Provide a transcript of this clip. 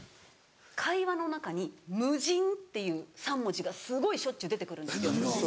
会話の中に「ムジン」っていう３文字がすごいしょっちゅう出てくるんですよ。